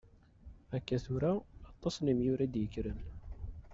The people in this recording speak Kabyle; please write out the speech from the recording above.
Akka tura, aṭas n yimyura i d-yekkren.